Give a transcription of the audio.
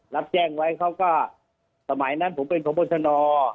รับแจ้งไว้เขาก็สมัยนั้นผมเป็นพบชน